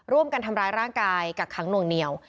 ร่วมกันทำร้ายร่างกายกักขังหน่วงเหนียว